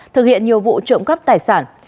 thực hiện nhiều vụ trộm cắp tài sản